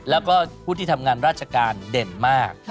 แล้วก็ผู้ที่ทำงานราชการเด่นมาก